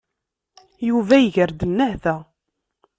Yuba iger-d nnehta.